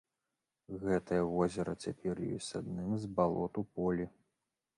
Гэтае возера цяпер ёсць адным з балот у полі.